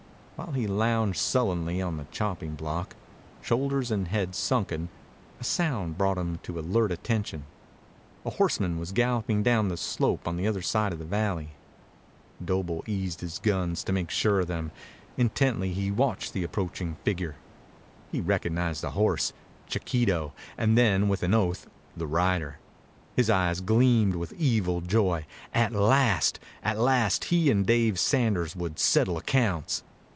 While he lounged sullenly on the chopping block, shoulders and head sunken, a sound brought him to alert attention. A horseman was galloping down the slope on the other side of the valley. Doble eased his guns to make sure of them. Intently he watched the approaching figure. He recognized the horse, Chiquito, and then, with an oath, the rider. His eyes gleamed with evil joy. At last! At last he and Dave Sanders would settle accounts.